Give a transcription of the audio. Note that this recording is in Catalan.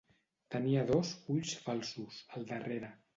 Tenia dos "ulls falsos" al darrere.